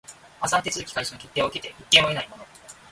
破産手続開始の決定を受けて復権を得ない者